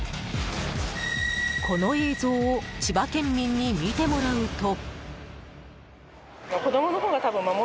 この映像を千葉県民に見てもらうと。